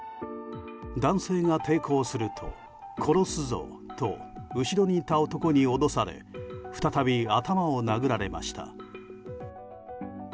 男性が抵抗すると、殺すぞと後ろにいた男に脅され再び頭を殴られました。